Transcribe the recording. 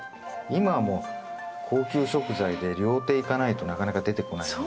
今はもう高級食材で料亭行かないとなかなか出てこないんで。